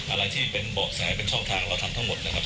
อะไรที่เป็นเบาะแสเป็นช่องทางเราทำทั้งหมดนะครับ